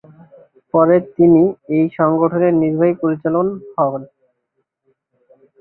পরে, তিনি এই সংগঠনের নির্বাহী পরিচালক হন।